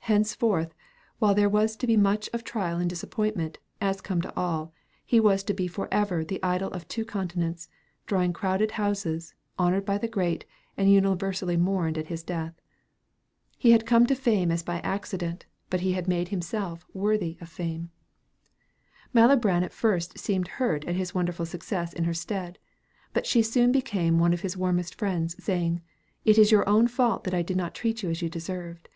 Henceforth, while there was to be much of trial and disappointment, as come to all, he was to be forever the idol of two continents, drawing crowded houses, honored by the great, and universally mourned at his death. He had come to fame as by accident, but he had made himself worthy of fame. Malibran at first seemed hurt at his wonderful success in her stead, but she soon became one of his warmest friends, saying, "It is your own fault that I did not treat you as you deserved.